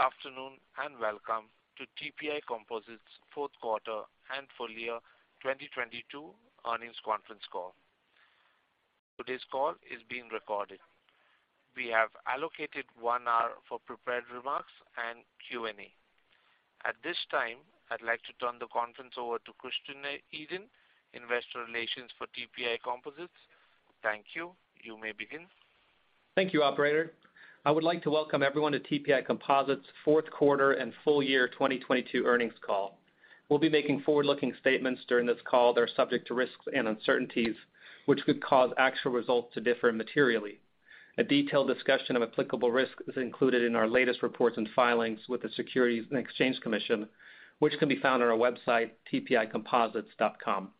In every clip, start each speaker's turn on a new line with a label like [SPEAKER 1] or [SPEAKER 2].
[SPEAKER 1] Good afternoon, and welcome to TPI Composites fourth quarter and full year 2022 earnings conference call. Today's call is being recorded. We have allocated one hour for prepared remarks and Q&A. At this time, I'd like to turn the conference over to Christian Edin, Investor Relations for TPI Composites. Thank you. You may begin.
[SPEAKER 2] Thank you, operator. I would like to welcome everyone to TPI Composites fourth quarter and full year 2022 earnings call. We'll be making forward-looking statements during this call that are subject to risks and uncertainties, which could cause actual results to differ materially. A detailed discussion of applicable risks is included in our latest reports and filings with the Securities and Exchange Commission, which can be found on our website, tpicomposites.com.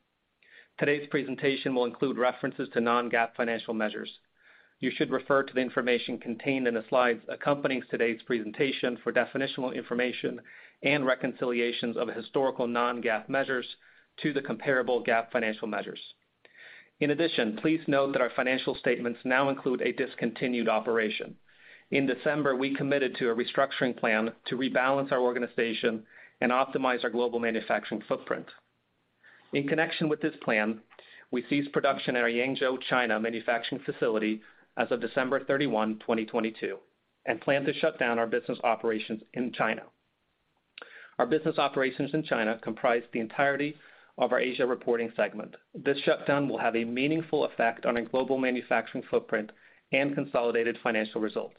[SPEAKER 2] Today's presentation will include references to non-GAAP financial measures. You should refer to the information contained in the slides accompanying today's presentation for definitional information and reconciliations of historical non-GAAP measures to the comparable GAAP financial measures. In addition, please note that our financial statements now include a discontinued operation. In December, we committed to a restructuring plan to rebalance our organization and optimize our global manufacturing footprint. In connection with this plan, we ceased production at our Yangzhou, China, manufacturing facility as of December 31, 2022, and plan to shut down our business operations in China. Our business operations in China comprise the entirety of our Asia reporting segment. This shutdown will have a meaningful effect on our global manufacturing footprint and consolidated financial results.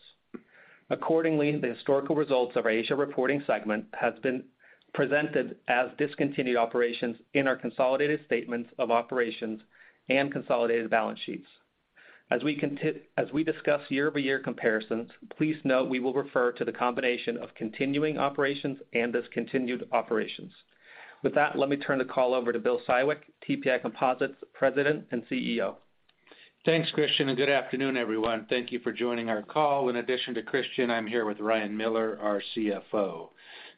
[SPEAKER 2] Accordingly, the historical results of our Asia reporting segment has been presented as discontinued operations in our consolidated statements of operations and consolidated balance sheets. As we discuss year-over-year comparisons, please note we will refer to the combination of continuing operations and discontinued operations. With that, let me turn the call over to Bill Siwek, TPI Composites President and CEO.
[SPEAKER 3] Thanks, Christian, good afternoon, everyone. Thank you for joining our call. In addition to Christian, I'm here with Ryan Miller, our CFO.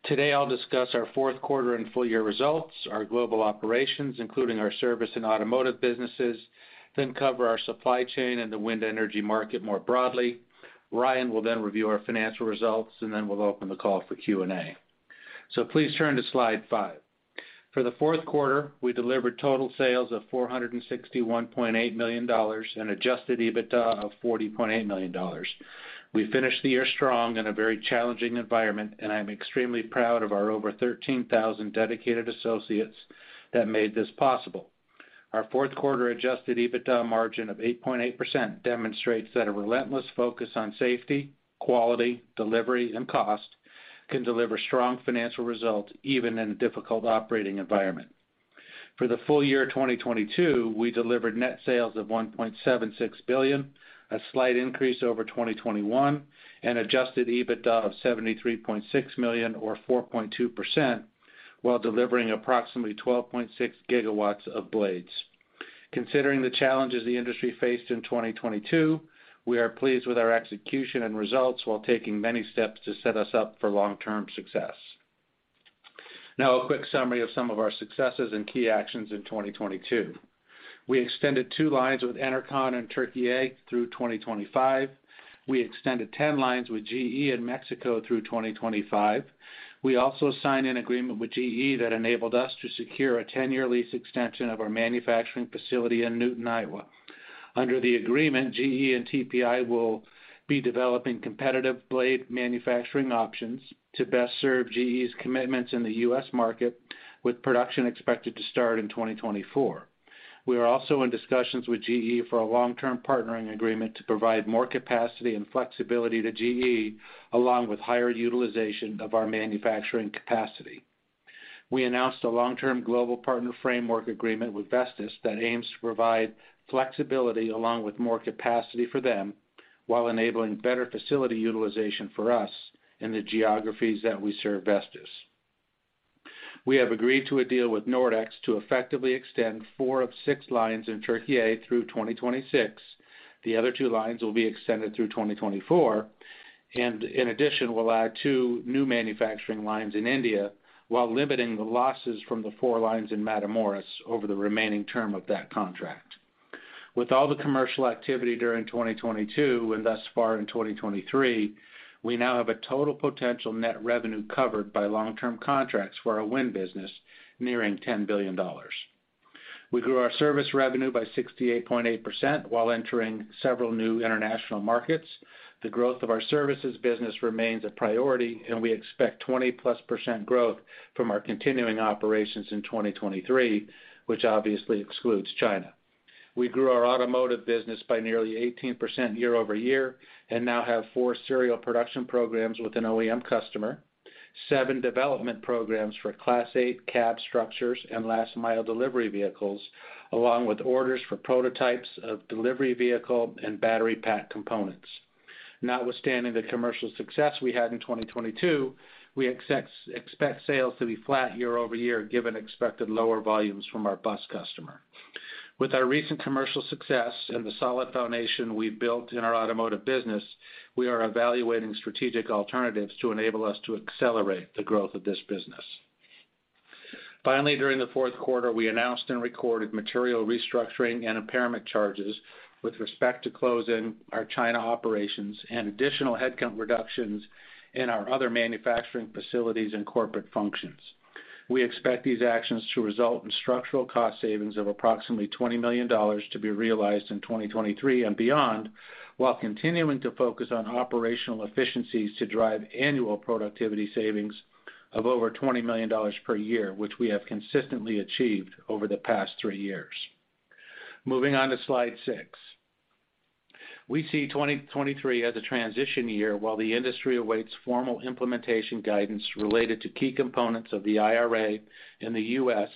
[SPEAKER 3] Today, I'll discuss our fourth quarter and full year results, our global operations, including our service and automotive businesses, cover our supply chain and the wind energy market more broadly. Ryan will review our financial results, we'll open the call for Q&A. Please turn to slide five. For the fourth quarter, we delivered total sales of $461.8 million and adjusted EBITDA of $40.8 million. We finished the year strong in a very challenging environment, I'm extremely proud of our over 13,000 dedicated associates that made this possible. Our fourth quarter adjusted EBITDA margin of 8.8% demonstrates that a relentless focus on safety, quality, delivery, and cost can deliver strong financial results even in a difficult operating environment. For the full year 2022, we delivered net sales of $1.76 billion, a slight increase over 2021, and adjusted EBITDA of $73.6 million or 4.2% while delivering approximately 12.6 GW of blades. Considering the challenges the industry faced in 2022, we are pleased with our execution and results while taking many steps to set us up for long-term success. A quick summary of some of our successes and key actions in 2022. We extended two lines with ENERCON in Türkiye through 2025. We extended 10 lines with GE in Mexico through 2025. We also signed an agreement with GE that enabled us to secure a 10-year lease extension of our manufacturing facility in Newton, Iowa. Under the agreement, GE and TPI will be developing competitive blade manufacturing options to best serve GE's commitments in the U.S. market, with production expected to start in 2024. We are also in discussions with GE for a long-term partnering agreement to provide more capacity and flexibility to GE, along with higher utilization of our manufacturing capacity. We announced a long-term global partner framework agreement with Vestas that aims to provide flexibility along with more capacity for them while enabling better facility utilization for us in the geographies that we serve Vestas. We have agreed to a deal with Nordex to effectively extend four of six lines in Türkiye through 2026. The other two lines will be extended through 2024. In addition, we'll add two new manufacturing lines in India while limiting the losses from the four lines in Matamoros over the remaining term of that contract. With all the commercial activity during 2022 and thus far in 2023, we now have a total potential net revenue covered by long-term contracts for our wind business nearing $10 billion. We grew our service revenue by 68.8% while entering several new international markets. The growth of our services business remains a priority, and we expect 20%+ growth from our continuing operations in 2023, which obviously excludes China. We grew our automotive business by nearly 18% year-over-year and now have four serial production programs with an OEM customer, seven development programs for Class 8 cab structures and last-mile delivery vehicles, along with orders for prototypes of delivery vehicle and battery pack components. Notwithstanding the commercial success we had in 2022, we expect sales to be flat year-over-year given expected lower volumes from our bus customer. With our recent commercial success and the solid foundation we built in our automotive business, we are evaluating strategic alternatives to enable us to accelerate the growth of this business. Finally, during the fourth quarter, we announced and recorded material restructuring and impairment charges with respect to closing our China operations and additional headcount reductions in our other manufacturing facilities and corporate functions. We expect these actions to result in structural cost savings of approximately $20 million to be realized in 2023 and beyond, while continuing to focus on operational efficiencies to drive annual productivity savings of over $20 million per year, which we have consistently achieved over the past three years. Moving on to slide six. We see 2023 as a transition year while the industry awaits formal implementation guidance related to key components of the IRA in the U.S.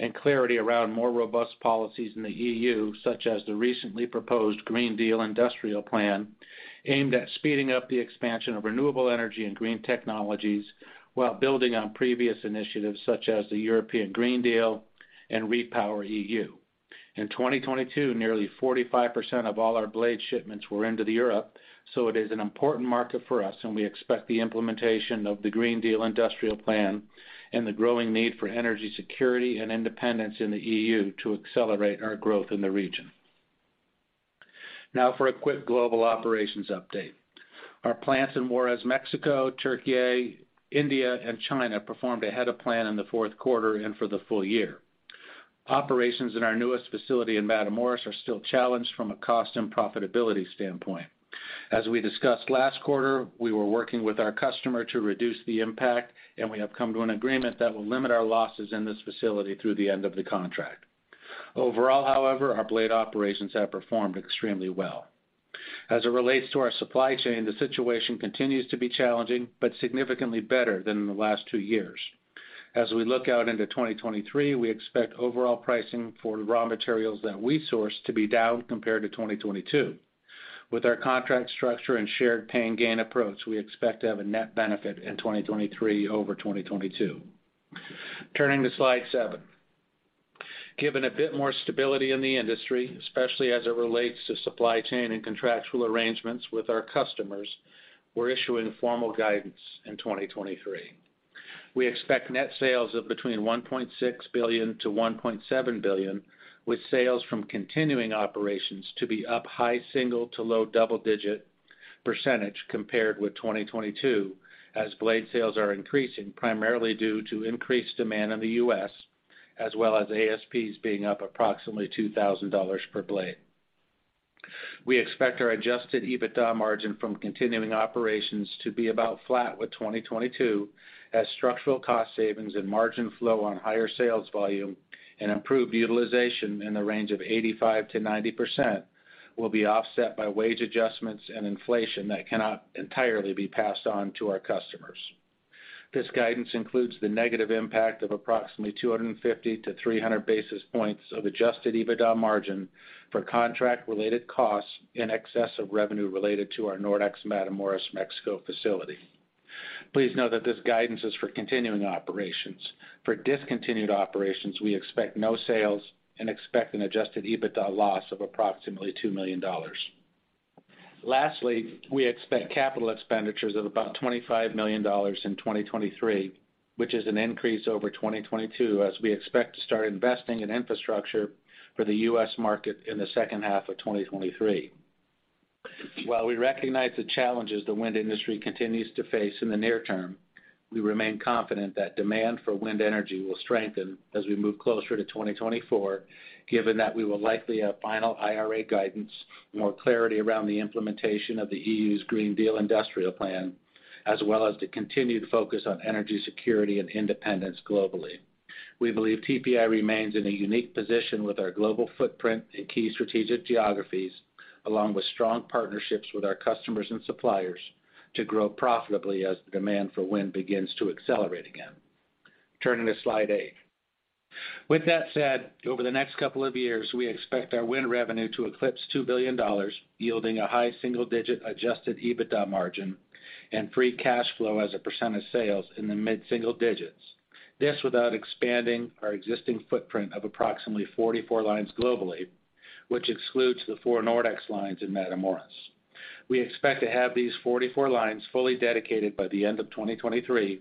[SPEAKER 3] and clarity around more robust policies in the EU, such as the recently proposed Green Deal Industrial Plan, aimed at speeding up the expansion of renewable energy and green technologies while building on previous initiatives such as the European Green Deal and REPowerEU. In 2022, nearly 45% of all our blade shipments were into the Europe, so it is an important market for us, and we expect the implementation of the Green Deal Industrial Plan and the growing need for energy security and independence in the EU to accelerate our growth in the region. Now for a quick global operations update. Our plants in Juarez, Mexico, Türkiye, India, and China performed ahead of plan in the fourth quarter and for the full year. Operations in our newest facility in Matamoros are still challenged from a cost and profitability standpoint. We have come to an agreement that will limit our losses in this facility through the end of the contract. Overall, however, our blade operations have performed extremely well. As it relates to our supply chain, the situation continues to be challenging but significantly better than in the last two years. As we look out into 2023, we expect overall pricing for raw materials that we source to be down compared to 2022. With our contract structure and shared pain/gain share approach, we expect to have a net benefit in 2023 over 2022. Turning to slide seven. Given a bit more stability in the industry, especially as it relates to supply chain and contractual arrangements with our customers, we're issuing formal guidance in 2023. We expect net sales of between $1.6 billion-$1.7 billion, with sales from continuing operations to be up high single to low double-digit percentage compared with 2022 as blade sales are increasing primarily due to increased demand in the U.S. as well as ASPs being up approximately $2,000 per blade. We expect our adjusted EBITDA margin from continuing operations to be about flat with 2022 as structural cost savings and margin flow on higher sales volume and improved utilization in the range of 85%-90% will be offset by wage adjustments and inflation that cannot entirely be passed on to our customers. This guidance includes the negative impact of approximately 250-300 basis points of adjusted EBITDA margin for contract-related costs in excess of revenue related to our Nordex Matamoros Mexico facility. Please know that this guidance is for continuing operations. For discontinued operations, we expect no sales and expect an adjusted EBITDA loss of approximately $2 million. Lastly, we expect capital expenditures of about $25 million in 2023, which is an increase over 2022 as we expect to start investing in infrastructure for the U.S. market in the second half of 2023. While we recognize the challenges the wind industry continues to face in the near term, we remain confident that demand for wind energy will strengthen as we move closer to 2024, given that we will likely have final IRA guidance, more clarity around the implementation of the EU's Green Deal Industrial Plan, as well as the continued focus on energy security and independence globally. We believe TPI remains in a unique position with our global footprint in key strategic geographies, along with strong partnerships with our customers and suppliers to grow profitably as the demand for wind begins to accelerate again. Turning to slide eight. With that said, over the next couple of years, we expect our wind revenue to eclipse $2 billion, yielding a high single-digit adjusted EBITDA margin and free cash flow as a percetage of sales in the mid-single digits. This without expanding our existing footprint of approximately 44 lines globally, which excludes the four Nordex lines in Matamoros. We expect to have these 44 lines fully dedicated by the end of 2023,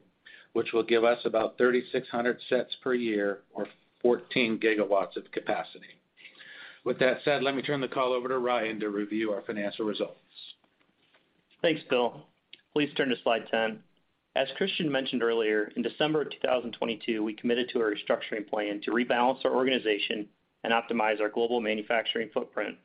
[SPEAKER 3] which will give us about 3,600 sets per year or 14 GW of capacity. With that said, let me turn the call over to Ryan to review our financial results.
[SPEAKER 4] Thanks, Bill. Please turn to slide 10. As Christian mentioned earlier, in December of 2022, we committed to a restructuring plan to rebalance our organization and optimize our global manufacturing footprint.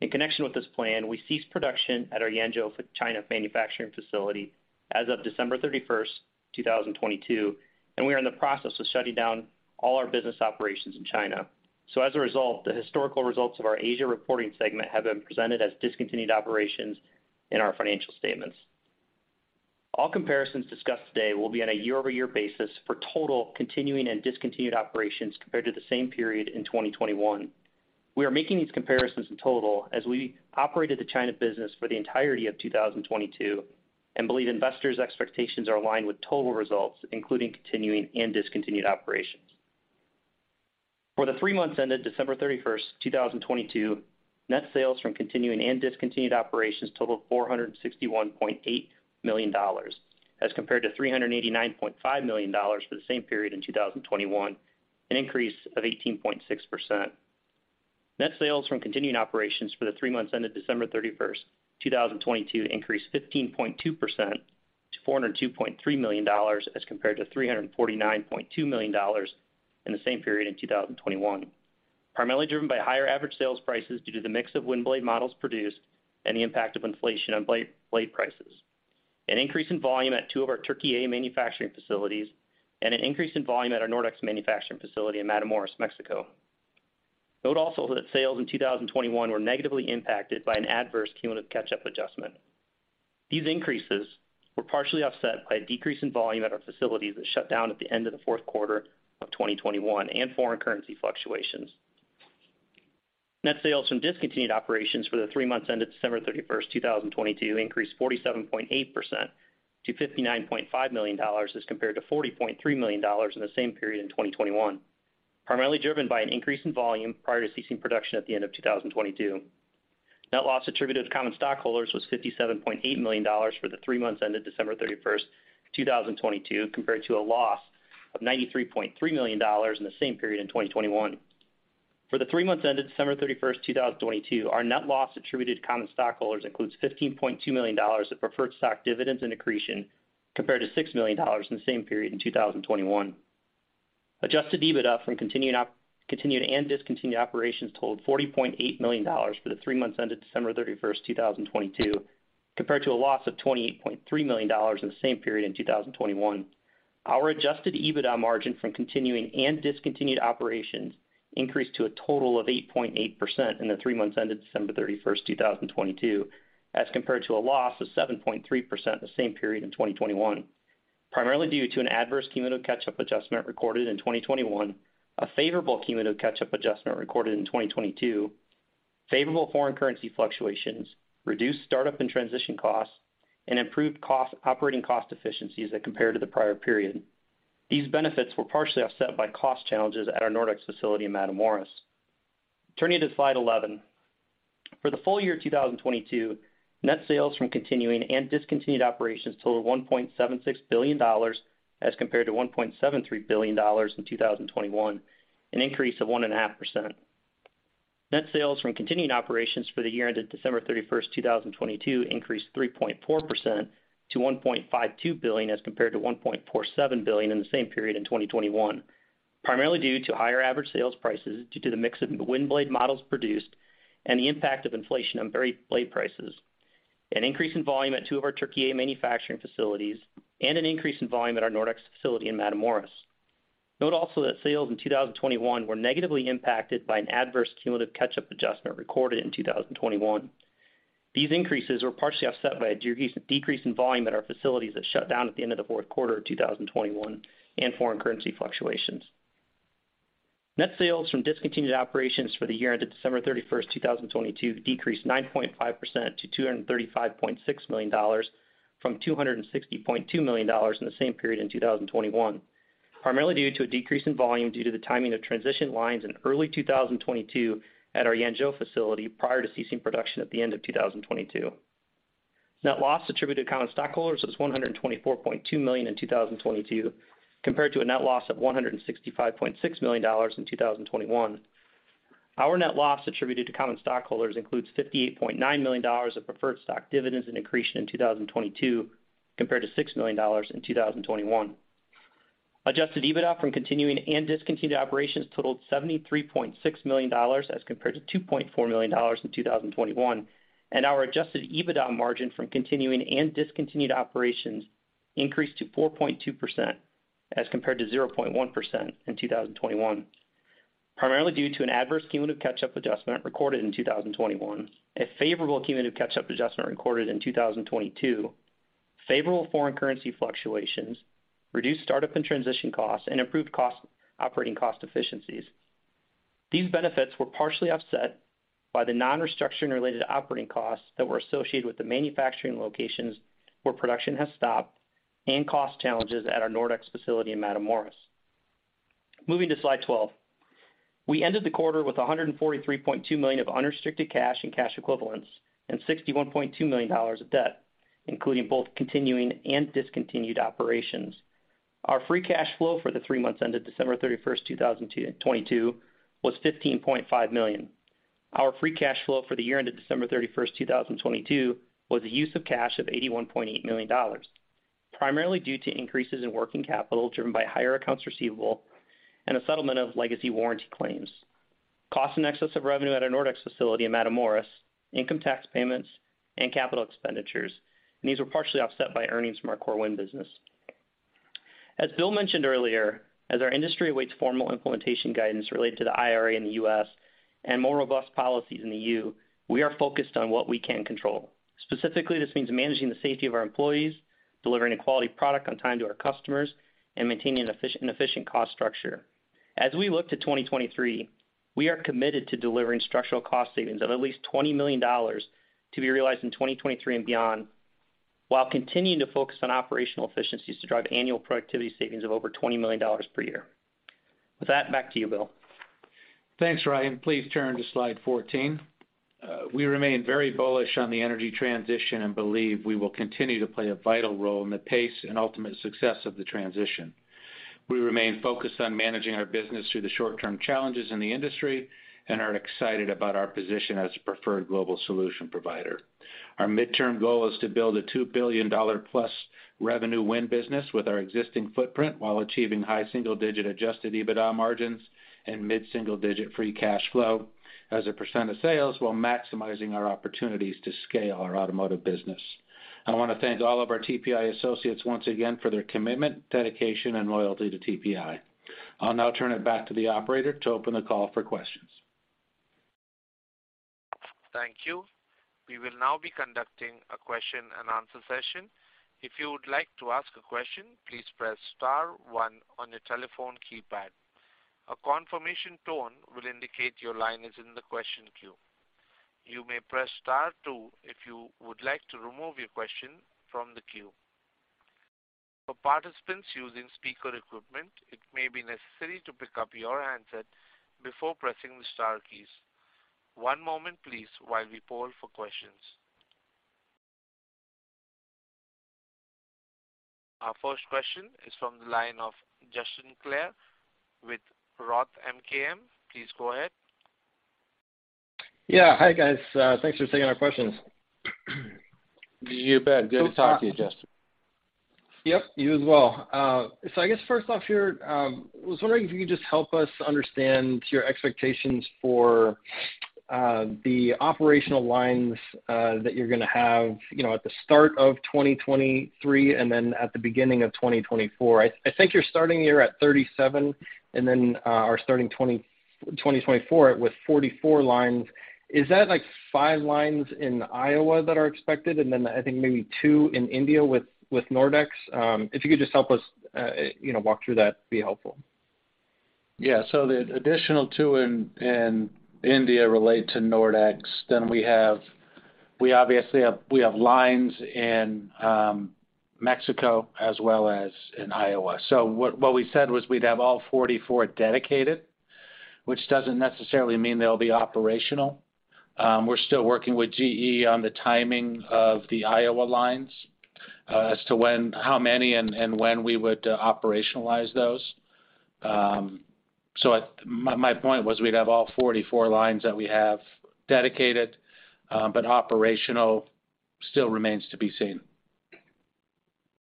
[SPEAKER 4] In connection with this plan, we ceased production at our Yangzhou, China manufacturing facility as of December 31st, 2022, and we are in the process of shutting down all our business operations in China. As a result, the historical results of our Asia reporting segment have been presented as discontinued operations in our financial statements. All comparisons discussed today will be on a year-over-year basis for total continuing and discontinued operations compared to the same period in 2021. We are making these comparisons in total as we operated the China business for the entirety of 2022 and believe investors' expectations are aligned with total results, including continuing and discontinued operations. For the three months ended December 31st, 2022, net sales from continuing and discontinued operations totaled $461.8 million, as compared to $389.5 million for the same period in 2021, an increase of 18.6%. Net sales from continuing operations for the three months ended December 31st, 2022, increased 15.2% to $402.3 million, as compared to $349.2 million in the same period in 2021. Primarily driven by higher average sales prices due to the mix of wind blade models produced and the impact of inflation on blade prices, an increase in volume at two of our Türkiye manufacturing facilities, and an increase in volume at our Nordex manufacturing facility in Matamoros, Mexico. Note also that sales in 2021 were negatively impacted by an adverse cumulative catch-up adjustment. These increases were partially offset by a decrease in volume at our facilities that shut down at the end of the fourth quarter of 2021 and foreign currency fluctuations. Net sales from discontinued operations for the three months ended December 31st, 2022, increased 47.8% to $59.5 million, as compared to $40.3 million in the same period in 2021. Primarily driven by an increase in volume prior to ceasing production at the end of 2022. Net loss attributed to common stockholders was $57.8 million for the three months ended December 31st, 2022, compared to a loss of $93.3 million in the same period in 2021. For the three months ended December 31st, 2022, our net loss attributed to common stockholders includes $15.2 million of preferred stock dividends and accretion, compared to $6 million in the same period in 2021. Adjusted EBITDA from continuing continued and discontinued operations totaled $40.8 million for the three months ended December 31st, 2022, compared to a loss of $28.3 million in the same period in 2021. Our adjusted EBITDA margin from continuing and discontinued operations increased to a total of 8.8% in the three months ended December 31st, 2022, as compared to a loss of 7.3% the same period in 2021. Primarily due to an adverse cumulative catch-up adjustment recorded in 2021, a favorable cumulative catch-up adjustment recorded in 2022, favorable foreign currency fluctuations, reduced startup and transition costs, and improved operating cost efficiencies as compared to the prior period. These benefits were partially offset by cost challenges at our Nordex facility in Matamoros. Turning to slide 11. For the full year 2022, net sales from continuing and discontinued operations totaled $1.76 billion, as compared to $1.73 billion in 2021, an increase of 1.5%. Net sales from continuing operations for the year ended December 31st, 2022, increased 3.4% to $1.52 billion, as compared to $1.47 billion in the same period in 2021. Primarily due to higher average sales prices due to the mix of wind blade models produced and the impact of inflation on blade prices, an increase in volume at two of our Türkiye manufacturing facilities, and an increase in volume at our Nordex facility in Matamoros. Note also that sales in 2021 were negatively impacted by an adverse cumulative catch-up adjustment recorded in 2021. These increases were partially offset by a decrease in volume at our facilities that shut down at the end of the fourth quarter of 2021 and foreign currency fluctuations. Net sales from discontinued operations for the year ended December 31st, 2022, decreased 9.5% to $235.6 million from $260.2 million in the same period in 2021. Primarily due to a decrease in volume due to the timing of transition lines in early 2022 at our Yangzhou facility prior to ceasing production at the end of 2022. Net loss attributed to common stockholders was $124.2 million in 2022, compared to a net loss of $165.6 million in 2021. Our net loss attributed to common stockholders includes $58.9 million of preferred stock dividends and accretion in 2022, compared to $6 million in 2021. Adjusted EBITDA from continuing and discontinued operations totaled $73.6 million, as compared to $2.4 million in 2021. Our adjusted EBITDA margin from continuing and discontinued operations increased to 4.2%, as compared to 0.1% in 2021. Primarily due to an adverse cumulative catch-up adjustment recorded in 2021, a favorable cumulative catch-up adjustment recorded in 2022, favorable foreign currency fluctuations, reduced startup and transition costs, and improved operating cost efficiencies. These benefits were partially offset by the non-restructuring related operating costs that were associated with the manufacturing locations where production has stopped and cost challenges at our Nordex facility in Matamoros. Moving to slide 12. We ended the quarter with $143.2 million of unrestricted cash and cash equivalents, and $61.2 million of debt, including both continuing and discontinued operations. Our free cash flow for the three months ended December 31st, 2022 was $15.5 million. Our free cash flow for the year ended December 31st, 2022, was a use of cash of $81.8 million. Primarily due to increases in working capital driven by higher accounts receivable and a settlement of legacy warranty claims. Cost in excess of revenue at our Nordex facility in Matamoros, income tax payments, and capital expenditures. These were partially offset by earnings from our core wind business. As Bill mentioned earlier, as our industry awaits formal implementation guidance related to the IRA in the U.S. and more robust policies in the EU, we are focused on what we can control. Specifically, this means managing the safety of our employees, delivering a quality product on time to our customers, and maintaining an efficient cost structure. As we look to 2023, we are committed to delivering structural cost savings of at least $20 million to be realized in 2023 and beyond while continuing to focus on operational efficiencies to drive annual productivity savings of over $20 million per year. With that, back to you, Bill.
[SPEAKER 3] Thanks, Ryan. Please turn to slide 14. We remain very bullish on the energy transition and believe we will continue to play a vital role in the pace and ultimate success of the transition. We remain focused on managing our business through the short-term challenges in the industry and are excited about our position as a preferred global solution provider. Our midterm goal is to build a $2 billion+ revenue win business with our existing footprint while achieving high single-digit adjusted EBITDA margins and mid single-digit free cash flow as a percent of sales while maximizing our opportunities to scale our automotive business. I wanna thank all of our TPI associates once again for their commitment, dedication and loyalty to TPI. I'll now turn it back to the operator to open the call for questions.
[SPEAKER 1] Thank you. We will now be conducting a question and answer session. If you would like to ask a question, please press star one on your telephone keypad. A confirmation tone will indicate your line is in the question queue. You may press star two if you would like to remove your question from the queue. For participants using speaker equipment, it may be necessary to pick up your handset before pressing the star keys. One moment please while we poll for questions. Our first question is from the line of Justin Clare with ROTH MKM. Please go ahead.
[SPEAKER 5] Yeah. Hi, guys. Thanks for taking our questions.
[SPEAKER 3] You bet. Good to talk to you, Justin.
[SPEAKER 5] Yep, you as well. I guess first off here, was wondering if you could just help us understand your expectations for the operational lines that you're gonna have, you know, at the start of 2023 and then at the beginning of 2024. I think you're starting the year at 37, and then are starting 2024 with 44 lines. Is that like five lines in Iowa that are expected, and then I think maybe two in India with Nordex? If you could just help us, you know, walk through that, it'd be helpful.
[SPEAKER 3] Yeah. The additional two in India relate to Nordex. We obviously have lines in Mexico as well as in Iowa. What we said was we'd have all 44 dedicated, which doesn't necessarily mean they'll be operational. We're still working with GE on the timing of the Iowa lines, as to when how many and when we would operationalize those. My point was we'd have all 44 lines that we have dedicated, but operational still remains to be seen.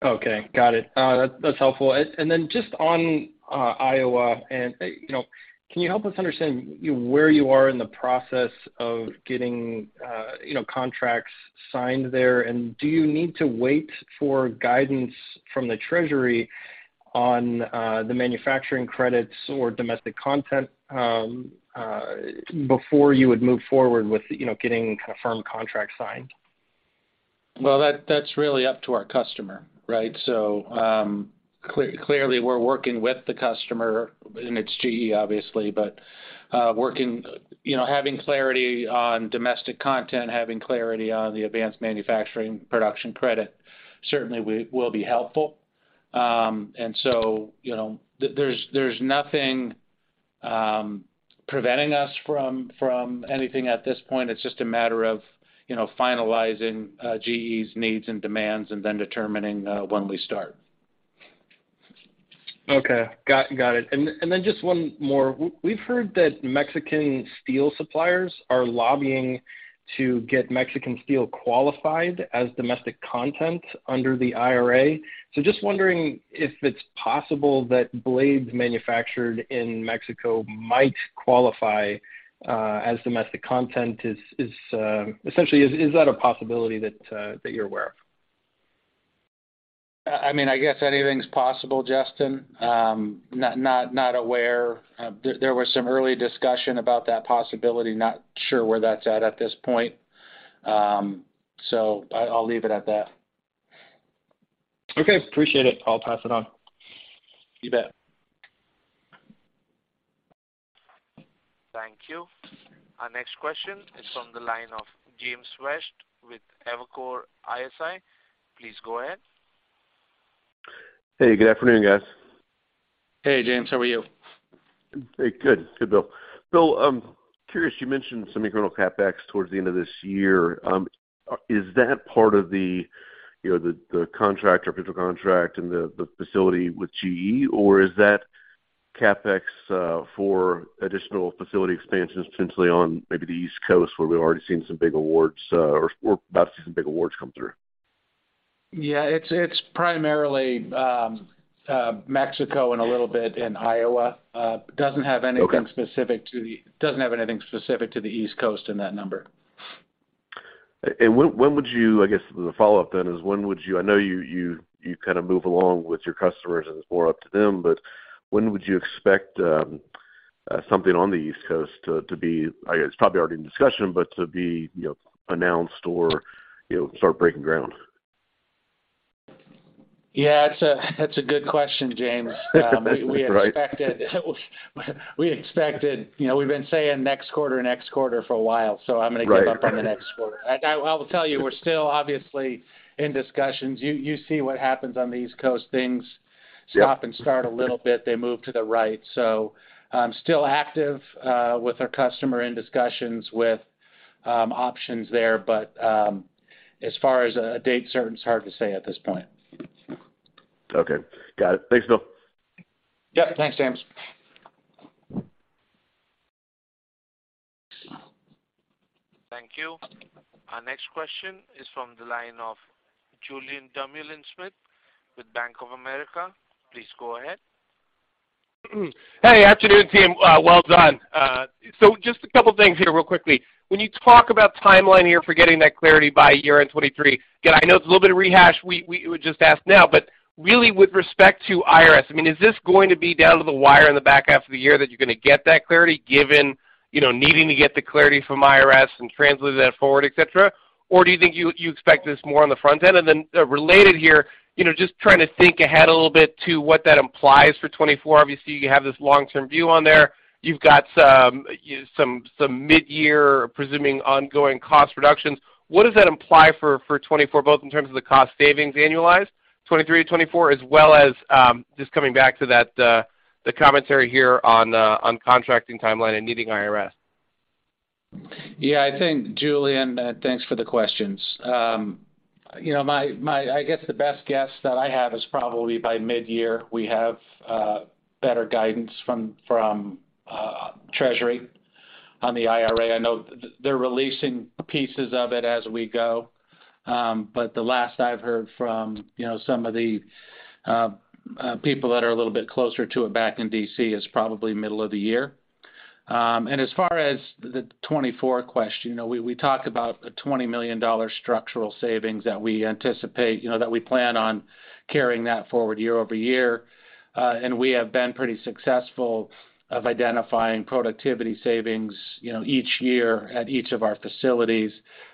[SPEAKER 5] Okay. Got it. That's helpful. Then just on Iowa and, you know, can you help us understand where you are in the process of getting, you know, contracts signed there? Do you need to wait for guidance from the Treasury on the Manufacturing Credits or Domestic Content before you would move forward with, you know, getting kind of firm contracts signed?
[SPEAKER 3] Well, that's really up to our customer, right? Clearly, we're working with the customer, and it's GE obviously, but working. You know, having clarity on domestic content, having clarity on the Advanced Manufacturing Production Credit certainly will be helpful. You know, there's nothing preventing us from anything at this point. It's just a matter of, you know, finalizing GE's needs and demands and then determining when we start.
[SPEAKER 5] Okay. Got it. Then just one more. We've heard that Mexican steel suppliers are lobbying to get Mexican steel qualified as domestic content under the IRA. Just wondering if it's possible that blades manufactured in Mexico might qualify as domestic content. Essentially, is that a possibility that you're aware of?
[SPEAKER 3] I mean, I guess anything's possible, Justin. Not aware. There was some early discussion about that possibility. Not sure where that's at this point. I'll leave it at that.
[SPEAKER 5] Okay. Appreciate it. I'll pass it on.
[SPEAKER 3] You bet.
[SPEAKER 1] Thank you. Our next question is from the line of James West with Evercore ISI. Please go ahead.
[SPEAKER 6] Hey, good afternoon, guys.
[SPEAKER 3] Hey, James. How are you?
[SPEAKER 6] Hey, good, Bill. Curious, you mentioned some incremental CapEx towards the end of this year. Is that part of the, you know, the contract or potential contract and the facility with GE, or is that CapEx for additional facility expansions potentially on maybe the East Coast where we've already seen some big awards, or about to see some big awards come through?
[SPEAKER 3] Yeah, it's primarily, Mexico and a little bit in Iowa.
[SPEAKER 6] Okay.
[SPEAKER 3] Doesn't have anything specific to the East Coast in that number.
[SPEAKER 6] When would you... I guess the follow-up then is when would you... I know you kind of move along with your customers and it's more up to them, but when would you expect something on the East Coast to be, I guess, probably already in discussion, but to be, you know, announced or, you know, start breaking ground?
[SPEAKER 3] Yeah, that's a good question, James.
[SPEAKER 6] That's right.
[SPEAKER 3] We expected. You know, we've been saying next quarter, next quarter for a while so I'm gonna give up on the next quarter. I will tell you, we're still obviously in discussions. You see what happens on the East Coast, things stop and start a little bit. They move to the right. Still active with our customer in discussions with options there. As far as a date certain, it's hard to say at this point.
[SPEAKER 6] Okay. Got it. Thanks, Bill.
[SPEAKER 3] Yeah. Thanks, James.
[SPEAKER 1] Thank you. Our next question is from the line of Julien Dumoulin-Smith with Bank of America. Please go ahead.
[SPEAKER 7] Hey, afternoon team. Well done. Just a couple things here real quickly. When you talk about timeline here for getting that clarity by year-end 2023, again, I know it's a little bit of rehash we would just ask now. Really with respect to IRS, I mean, is this going to be down to the wire in the back half of the year that you're going to get that clarity given, you know, needing to get the clarity from IRS and translating that forward, et cetera? Do you think you expect this more on the front end? Related here, you know, just trying to think ahead a little bit to what that implies for 2024. Obviously, you have this long-term view on there. You've got some mid-year presuming ongoing cost reductions. What does that imply for 2024, both in terms of the cost savings annualized, 2023, 2024? As well as, just coming back to that, the commentary here on contracting timeline and needing IRS.
[SPEAKER 3] Yeah, I think Julien, thanks for the questions. You know, my best guess that I have is probably by midyear we have better guidance from Treasury on the IRA. I know they're releasing pieces of it as we go. The last I've heard from, you know, some of the people that are a little bit closer to it back in D.C. is probably middle of the year. As far as the 2024 question, you know, we talk about a $20 million structural savings that we anticipate, you know, that we plan on carrying that forward year-over-year. We have been pretty successful of identifying productivity savings, you know, each year at each of our facilities.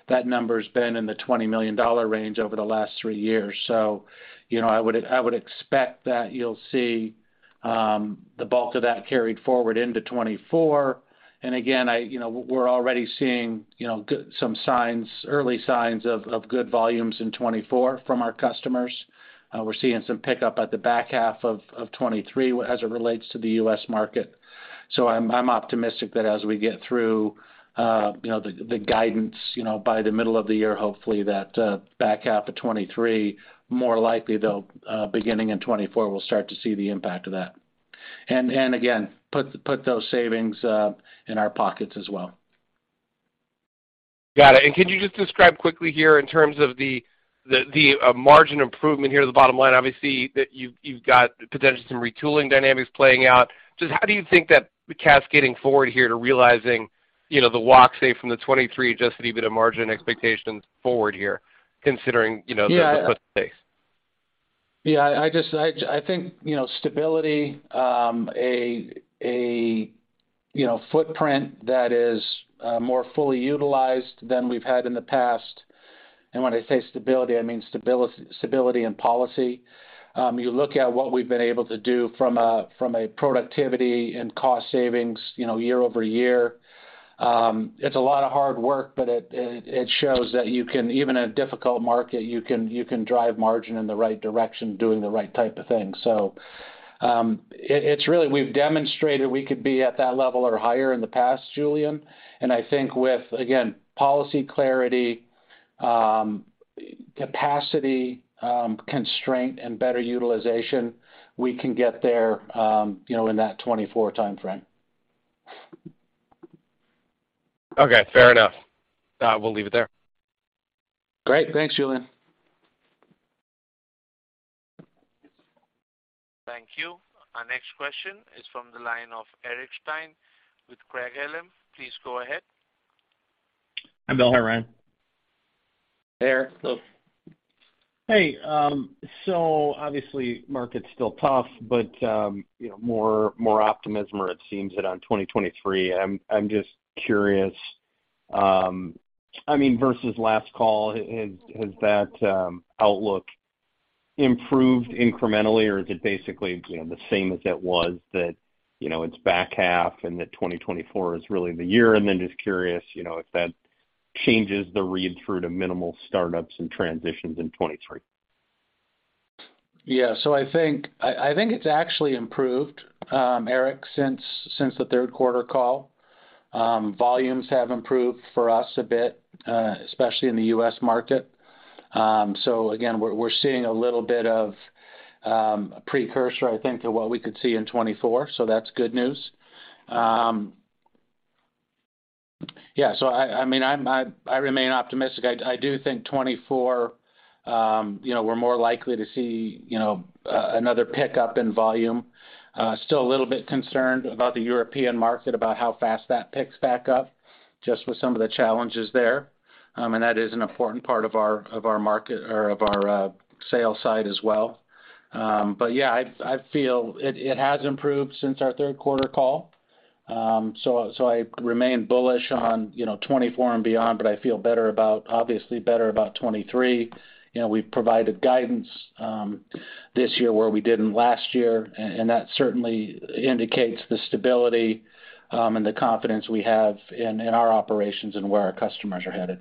[SPEAKER 3] That number's been in the $20 million range over the last three years. You know, I would expect that you'll see the bulk of that carried forward into 2024. Again, you know, we're already seeing, you know, some signs, early signs of good volumes in 2024 from our customers. We're seeing some pickup at the back half of 2023 as it relates to the U.S. market. I'm optimistic that as we get through, you know, the guidance, you know, by the middle of the year, hopefully that back half of 2023, more likely though, beginning in 2024, we'll start to see the impact of that. Again, put those savings in our pockets as well.
[SPEAKER 7] Got it. Could you just describe quickly here in terms of the margin improvement here at the bottom line, obviously that you've got potentially some retooling dynamics playing out. Just how do you think that cascading forward here to realizing, you know, the walk say from the 2023, just even a margin expectations forward here considering, you know... the current space?
[SPEAKER 3] Yeah, I think, you know, stability, you know, footprint that is more fully utilized than we've had in the past. When I say stability, I mean stability and policy. You look at what we've been able to do from a productivity and cost savings, you know, year-over-year. It's a lot of hard work, but it shows that you can even in a difficult market, you can drive margin in the right direction, doing the right type of thing. It's really we've demonstrated we could be at that level or higher in the past, Julien. I think with, again, policy clarity, capacity, constraint and better utilization, we can get there, you know, in that 2024 timeframe.
[SPEAKER 7] Okay. Fair enough. We'll leave it there.
[SPEAKER 3] Great. Thanks, Julien.
[SPEAKER 1] Thank you. Our next question is from the line of Eric Stine with Craig-Hallum. Please go ahead.
[SPEAKER 8] Hi, Bill. Hi, Ryan.
[SPEAKER 3] Hey, Eric.
[SPEAKER 8] Hey. Obviously market's still tough, but, you know, more optimism or it seems that on 2023. I'm just curious, I mean, versus last call, has that outlook improved incrementally or is it basically, you know, the same as it was that, you know, it's back half and that 2024 is really the year? Just curious, you know, if that changes the read through to minimal startups and transitions in 2023.
[SPEAKER 3] Yeah. I think it's actually improved, Eric, since the third quarter call. Volumes have improved for us a bit, especially in the U.S. market. Again, we're seeing a little bit of a precursor, I think, to what we could see in 2024. That's good news. Yeah. I mean, I remain optimistic. I do think 2024, you know, we're more likely to see, you know, another pickup in volume. Still a little bit concerned about the European market, about how fast that picks back up just with some of the challenges there. That is an important part of our market or of our sales side as well. Yeah, I feel it has improved since our third quarter call. I remain bullish on, you know, 2024 and beyond, but I feel better about obviously better about 2023. You know, we've provided guidance this year where we didn't last year, and that certainly indicates the stability and the confidence we have in our operations and where our customers are headed.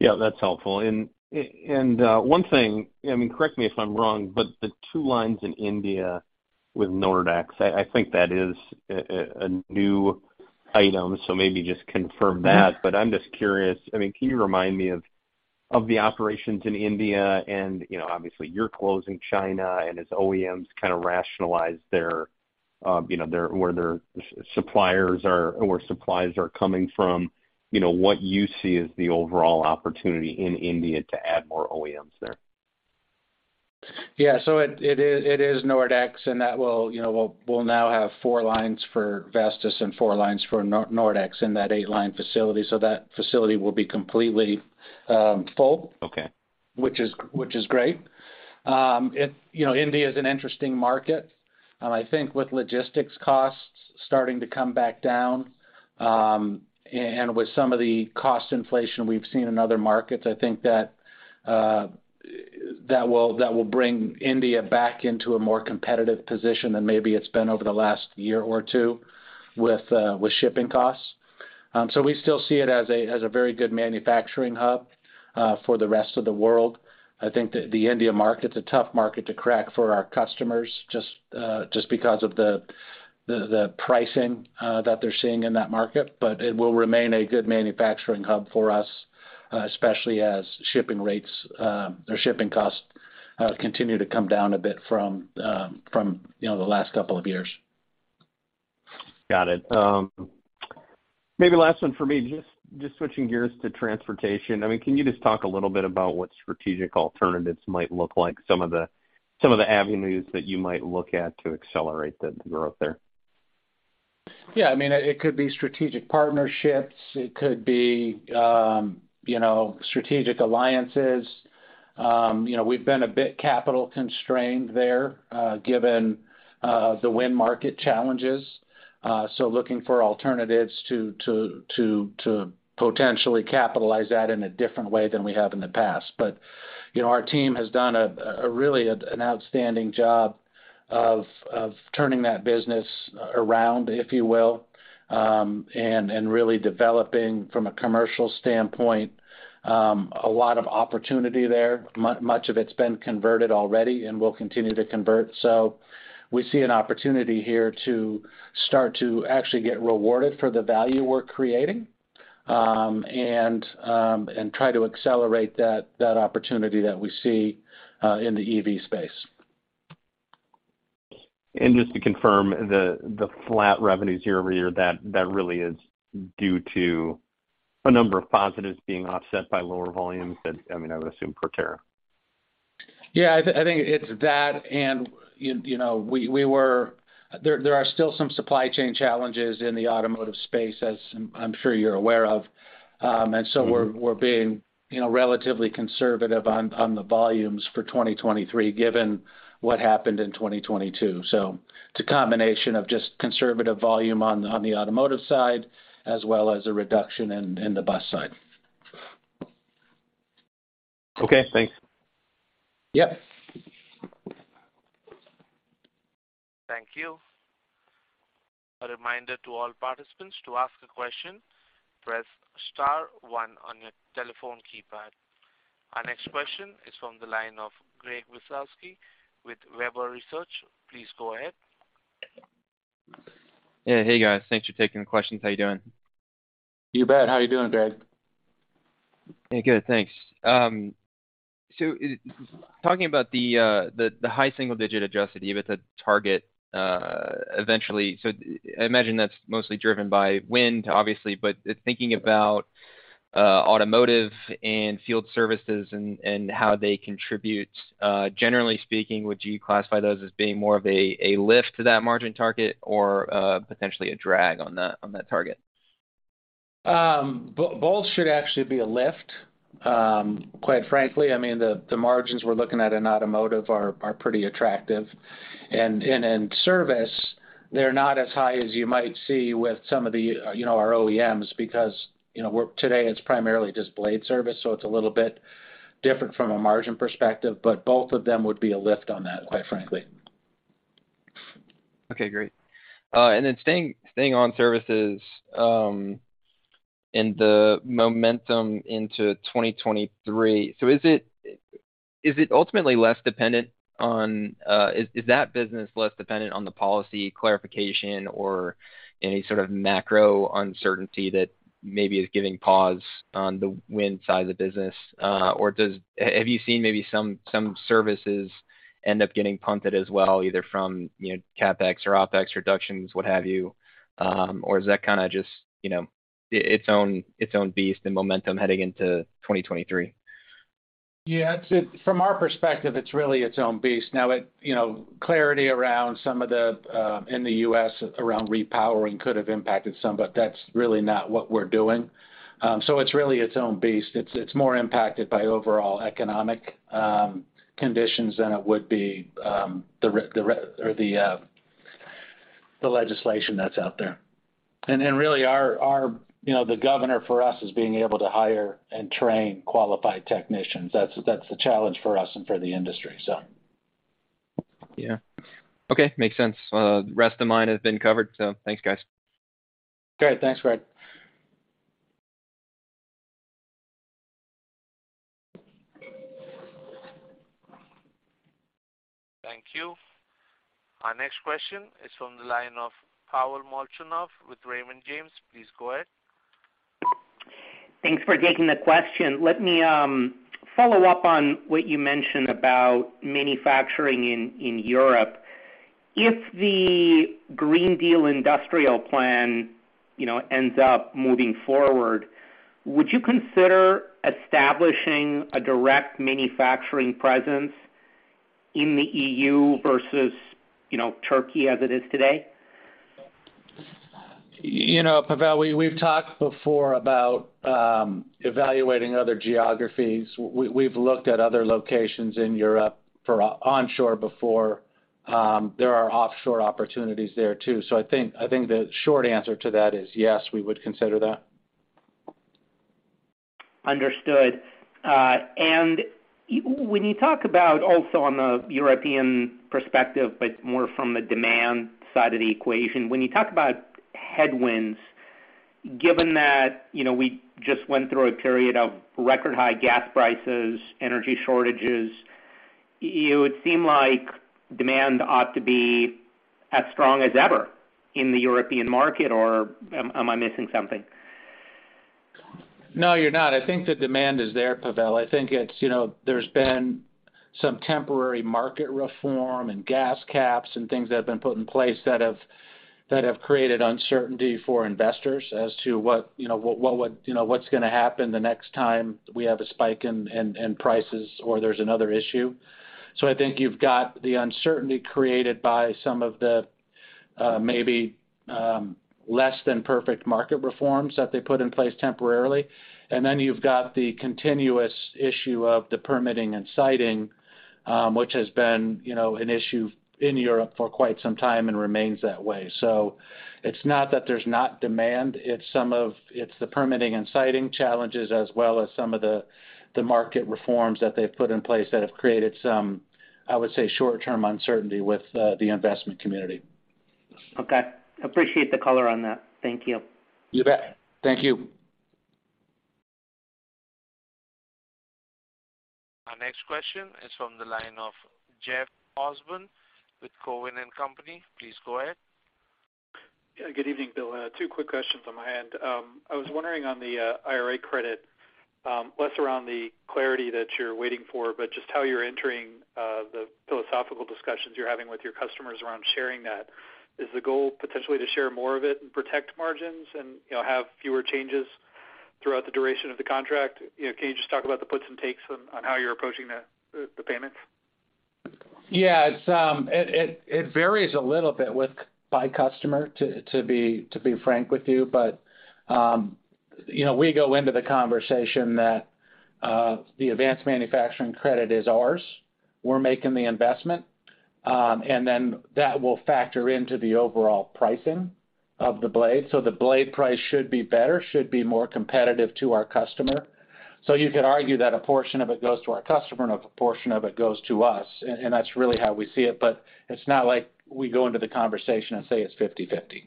[SPEAKER 8] Yeah, that's helpful. One thing, I mean, correct me if I'm wrong, but the two lines in India with Nordex, I think that is a new item, so maybe just confirm that. I'm just curious. I mean, can you remind me of the operations in India and, you know, obviously you're closing China, and as OEMs kind of rationalize their, you know, where their suppliers are or where supplies are coming from, you know, what you see as the overall opportunity in India to add more OEMs there?
[SPEAKER 3] Yeah. It is Nordex, and that will, you know, we'll now have four lines for Vestas and four lines for Nordex in that eight-line facility. That facility will be completely full.
[SPEAKER 8] Okay.
[SPEAKER 3] Which is great. You know, India is an interesting market. I think with logistics costs starting to come back down, and with some of the cost inflation we've seen in other markets, I think that will bring India back into a more competitive position than maybe it's been over the last year or two with shipping costs. We still see it as a very good manufacturing hub for the rest of the world. I think the India market's a tough market to crack for our customers just because of the pricing that they're seeing in that market. It will remain a good manufacturing hub for us, especially as shipping rates, or shipping costs, continue to come down a bit from, you know, the last couple of years.
[SPEAKER 8] Got it. Maybe last one for me. Just switching gears to transportation. I mean, can you just talk a little bit about what strategic alternatives might look like, some of the avenues that you might look at to accelerate the growth there?
[SPEAKER 3] Yeah, I mean, it could be strategic partnerships. It could be, you know, strategic alliances. You know, we've been a bit capital constrained there, given the wind market challenges, so looking for alternatives to potentially capitalize that in a different way than we have in the past. But, you know, our team has done a really an outstanding job of turning that business around, if you will, and really developing from a commercial standpoint, a lot of opportunity there. Much of it's been converted already and will continue to convert. So we see an opportunity here to start to actually get rewarded for the value we're creating, and try to accelerate that opportunity that we see in the EV space.
[SPEAKER 8] Just to confirm the flat revenues year-over-year, that really is due to a number of positives being offset by lower volumes that, I mean, I would assume Proterra?
[SPEAKER 3] Yeah. I think it's that. You know, there are still some supply chain challenges in the automotive space, as I'm sure you're aware of. We're being, you know, relatively conservative on the volumes for 2023, given what happened in 2022. It's a combination of just conservative volume on the automotive side as well as a reduction in the bus side.
[SPEAKER 8] Okay, thanks.
[SPEAKER 3] Yep.
[SPEAKER 1] Thank you. A reminder to all participants, to ask a question, press star one on your telephone keypad. Our next question is from the line of Greg Wasikowski with Webber Research. Please go ahead.
[SPEAKER 9] Yeah. Hey, guys. Thanks for taking the questions. How you doing?
[SPEAKER 3] You bet. How are you doing, Greg?
[SPEAKER 9] Good, thanks. Talking about the high single digit adjusted EBITDA target eventually. I imagine that's mostly driven by wind, obviously, but thinking about automotive and field services and how they contribute, generally speaking, would you classify those as being more of a lift to that margin target or potentially a drag on that, on that target?
[SPEAKER 3] Both should actually be a lift. Quite frankly, I mean, the margins we're looking at in automotive are pretty attractive. In service, they're not as high as you might see with some of the, you know, our OEMs because, you know, today it's primarily just blade service, so it's a little bit different from a margin perspective, but both of them would be a lift on that, quite frankly.
[SPEAKER 9] Okay, great. Staying on services, and the momentum into 2023, so is it ultimately less dependent on, is that business less dependent on the policy clarification or any sort of macro uncertainty that maybe is giving pause on the wind side of the business? Or have you seen maybe some services end up getting punted as well, either from, you know, CapEx or OpEx reductions, what have you? Or is that kind of just, you know, its own beast and momentum heading into 2023?
[SPEAKER 3] Yeah. From our perspective, it's really its own beast. Now it, you know, clarity around some of the in the U.S. around repowering could have impacted some, but that's really not what we're doing. It's really its own beast. It's more impacted by overall economic conditions than it would be The legislation that's out there. Really our, you know, the governor for us is being able to hire and train qualified technicians. That's the challenge for us and for the industry, so.
[SPEAKER 9] Yeah. Okay, makes sense. The rest of mine have been covered. Thanks, guys.
[SPEAKER 3] Great. Thanks, Greg.
[SPEAKER 1] Thank you. Our next question is from the line of Pavel Molchanov with Raymond James. Please go ahead.
[SPEAKER 10] Thanks for taking the question. Let me, follow up on what you mentioned about manufacturing in Europe. If the Green Deal Industrial Plan, you know, ends up moving forward, would you consider establishing a direct manufacturing presence in the EU versus, you know, Turkey as it is today?
[SPEAKER 3] You know, Pavel, we've talked before about evaluating other geographies. We've looked at other locations in Europe for onshore before. There are offshore opportunities there too. I think the short answer to that is yes, we would consider that.
[SPEAKER 10] Understood. When you talk about also on the European perspective, but more from the demand side of the equation, when you talk about headwinds, given that, you know, we just went through a period of record high gas prices, energy shortages, it would seem like demand ought to be as strong as ever in the European market. Am I missing something?
[SPEAKER 3] No, you're not. I think the demand is there, Pavel. I think it's, there's been some temporary market reform and gas caps and things that have been put in place that have created uncertainty for investors as to what's gonna happen the next time we have a spike in prices or there's another issue. I think you've got the uncertainty created by some of the maybe less than perfect market reforms that they put in place temporarily. You've got the continuous issue of the permitting and siting, which has been an issue in Europe for quite some time and remains that way. It's not that there's not demand, it's the permitting and siting challenges, as well as some of the market reforms that they've put in place that have created some, I would say, short-term uncertainty with the investment community.
[SPEAKER 10] Okay. Appreciate the color on that. Thank you.
[SPEAKER 3] You bet. Thank you.
[SPEAKER 1] Our next question is from the line of Jeff Osborne with Cowen and Company. Please go ahead.
[SPEAKER 11] Yeah, good evening, Bill. Two quick questions on my end. I was wondering on the IRA credit, less around the clarity that you're waiting for, but just how you're entering the philosophical discussions you're having with your customers around sharing that. Is the goal potentially to share more of it and protect margins and, you know, have fewer changes throughout the duration of the contract? You know, can you just talk about the puts and takes on how you're approaching the payments?
[SPEAKER 3] Yeah. It varies a little bit by customer, to be frank with you. You know, we go into the conversation that the Advanced Manufacturing Credit is ours. We're making the investment. That will factor into the overall pricing of the blade. The blade price should be better, should be more competitive to our customer. You could argue that a portion of it goes to our customer, and a portion of it goes to us. That's really how we see it. It's not like we go into the conversation and say it's 50/50.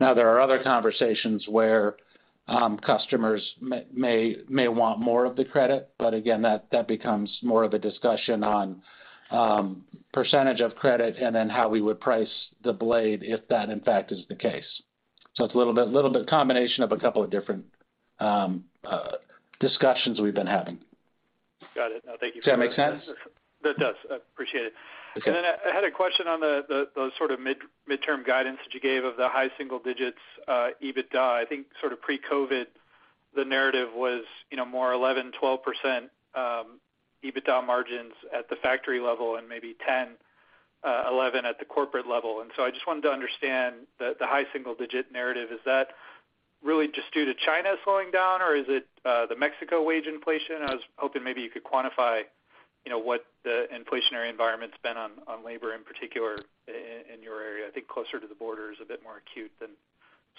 [SPEAKER 3] There are other conversations where customers may want more of the credit, but again, that becomes more of a discussion on percentage of credit and then how we would price the blade if that, in fact, is the case. It's a little bit combination of a couple of different discussions we've been having.
[SPEAKER 11] Got it. No, thank you for that.
[SPEAKER 3] Does that make sense?
[SPEAKER 11] That does. I appreciate it.
[SPEAKER 3] Okay.
[SPEAKER 11] I had a question on the sort of midterm guidance that you gave of the high single digits EBITDA. I think sort of pre-COVID, the narrative was, you know, more 11%-12% EBITDA margins at the factory level and maybe 10%-11% at the corporate level. I just wanted to understand the high single-digit narrative. Is that really just due to China slowing down, or is it the Mexico wage inflation? I was hoping maybe you could quantify, you know, what the inflationary environment's been on labor, in particular in your area. I think closer to the border is a bit more acute than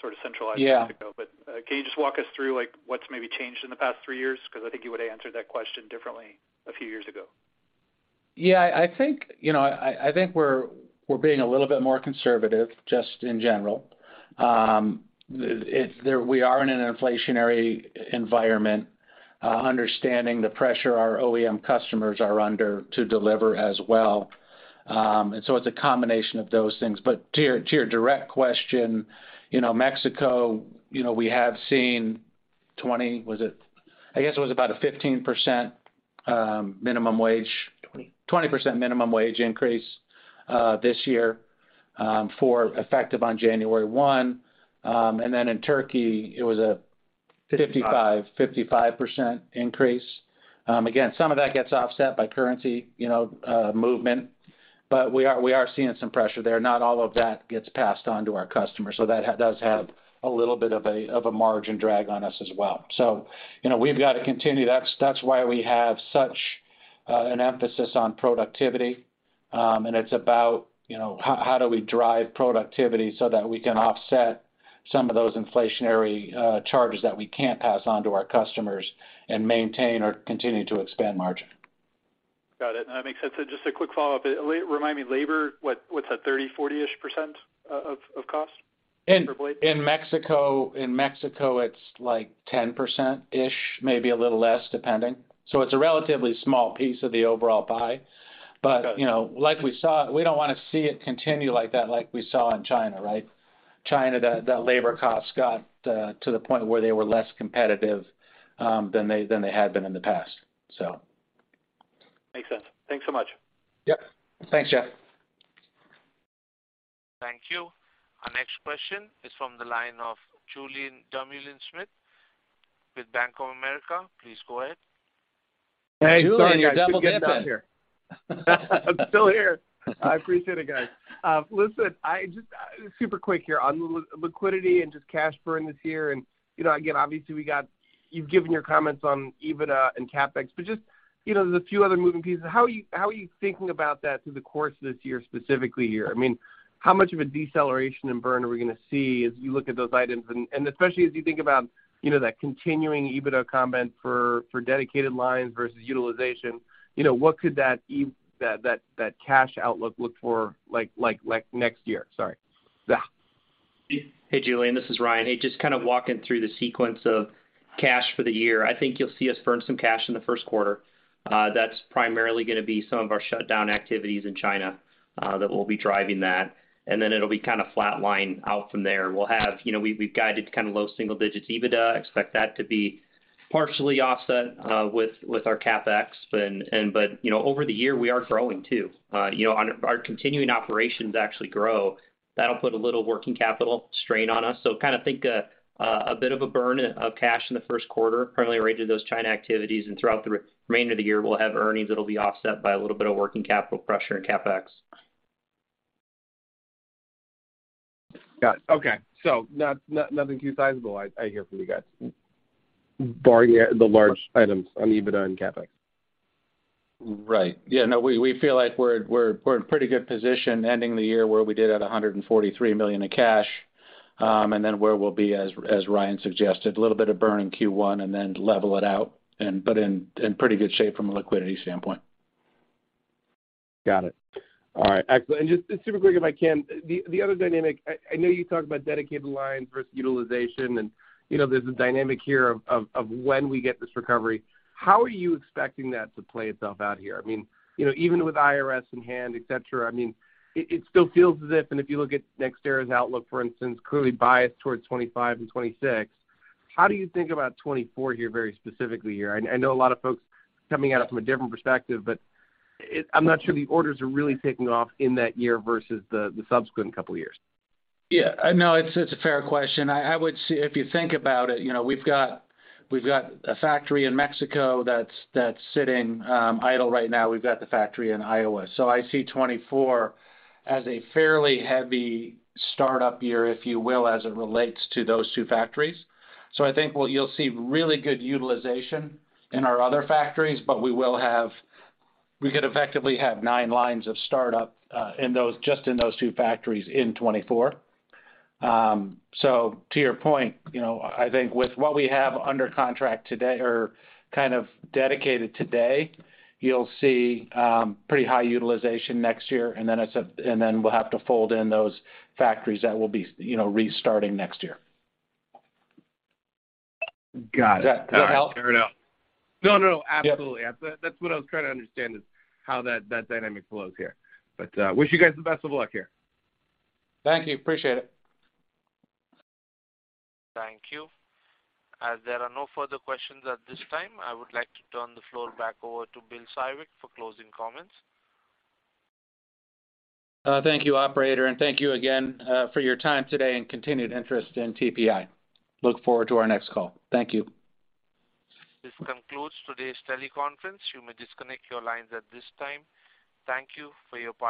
[SPEAKER 11] sort of centralized Mexico.
[SPEAKER 3] Yeah.
[SPEAKER 11] Can you just walk us through, like, what's maybe changed in the past three years? 'Cause I think you would've answered that question differently a few years ago.
[SPEAKER 3] Yeah. I think, you know, I think we're being a little bit more conservative, just in general. We are in an inflationary environment, understanding the pressure our OEM customers are under to deliver as well. It's a combination of those things. To your, to your direct question, you know, Mexico, you know, we have seen 20%, was it? I guess it was about a 15% minimum wage, 20% minimum wage increase, this year, for effective on January 1. In Turkey, it was 55% increase. Again, some of that gets offset by currency, you know, movement. We are seeing some pressure there. Not all of that gets passed on to our customers. That does have a little bit of a margin drag on us as well. You know, we've got to continue. That's why we have an emphasis on productivity. And it's about, you know, how do we drive productivity so that we can offset some of those inflationary charges that we can't pass on to our customers and maintain or continue to expand margin.
[SPEAKER 11] Got it. No, that makes sense. Just a quick follow-up. Remind me, labor, what's that 30%, 40% of cost per blade?
[SPEAKER 3] In Mexico, it's like 10%, maybe a little less, depending. It's a relatively small piece of the overall pie. But you know, we don't wanna see it continue like that like we saw in China, right? China, the labor costs got to the point where they were less competitive, than they had been in the past.
[SPEAKER 11] Makes sense. Thanks so much.
[SPEAKER 3] Yep. Thanks, Jeff.
[SPEAKER 1] Thank you. Our next question is from the line of Julien Dumoulin-Smith with Bank of America. Please go ahead.
[SPEAKER 3] Hey, Julien. You're double-dipping.
[SPEAKER 7] I'm still here. I appreciate it, guys. Listen, I just super quick here. On liquidity and just cash burn this year, and, you know, again, obviously, you've given your comments on EBITDA and CapEx, but just, you know, there's a few other moving pieces. How are you thinking about that through the course of this year, specifically here? I mean, how much of a deceleration in burn are we gonna see as we look at those items? And especially as you think about, you know, that continuing EBITDA comment for dedicated lines versus utilization, you know, what could that cash outlook look for like next year? Sorry.
[SPEAKER 4] Hey, Julien, this is Ryan. Hey, just kind of walking through the sequence of cash for the year. I think you'll see us burn some cash in the first quarter. That's primarily gonna be some of our shutdown activities in China that will be driving that. Then it'll be kind of flatline out from there. We'll have, you know, we've guided kind of low single-digits EBITDA, expect that to be partially offset with our CapEx. But, you know, over the year, we are growing too. You know, on our continuing operations actually grow. That'll put a little working capital strain on us. Kind of think a bit of a burn of cash in the first quarter, primarily related to those China activities. Throughout the remainder of the year, we'll have earnings that'll be offset by a little bit of working capital pressure and CapEx.
[SPEAKER 7] Got it. Okay. Nothing too sizable I hear from you guys. Barring the large items on EBITDA and CapEx.
[SPEAKER 3] Right. Yeah, no, we feel like we're in pretty good position ending the year where we did at $143 million in cash. Where we'll be, as Ryan suggested, a little bit of burn in Q1 and then level it out but in pretty good shape from a liquidity standpoint.
[SPEAKER 7] Got it. All right. Excellent. Just super quick if I can, the other dynamic, I know you talked about dedicated line versus utilization, and, you know, there's a dynamic here of when we get this recovery. How are you expecting that to play itself out here? I mean, you know, even with IRS in hand, et cetera, I mean, it still feels as if, and if you look at NextEra's outlook, for instance, clearly biased towards 2025 and 2026, how do you think about 2024 here very specifically here? I know a lot of folks coming at it from a different perspective, but I'm not sure the orders are really taking off in that year versus the subsequent couple of years.
[SPEAKER 3] Yeah. No, it's a fair question. I would see if you think about it, you know, we've got, we've got a factory in Mexico that's sitting idle right now. We've got the factory in Iowa. I see 2024 as a fairly heavy startup year, if you will, as it relates to those two factories. I think what you'll see really good utilization in our other factories, but we could effectively have nine lines of startup in those, just in those two factories in 2024. To your point, you know, I think with what we have under contract today or kind of dedicated today, you'll see pretty high utilization next year, and then we'll have to fold in those factories that will be, you know, restarting next year.
[SPEAKER 7] Got it.
[SPEAKER 3] Does that help?
[SPEAKER 7] Fair enough. No, no. Absolutely.
[SPEAKER 3] Yep.
[SPEAKER 7] That's what I was trying to understand is how that dynamic flows here. Wish you guys the best of luck here.
[SPEAKER 3] Thank you. Appreciate it.
[SPEAKER 1] Thank you. As there are no further questions at this time, I would like to turn the floor back over to Bill Siwek for closing comments.
[SPEAKER 3] Thank you, operator, and thank you again, for your time today and continued interest in TPI. Look forward to our next call. Thank you.
[SPEAKER 1] This concludes today's teleconference. You may disconnect your lines at this time. Thank you for your participation.